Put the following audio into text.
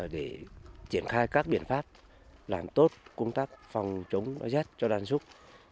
để triển khai các biện pháp làm tốt công tác phòng chống đói rét cho đàn súc